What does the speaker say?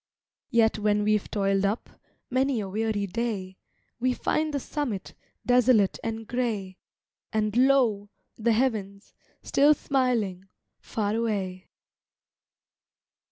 Yet when we've toiled up, many a weary day, We find the summit, desolate and grey, And lo! the Heavens, still smiling, far away.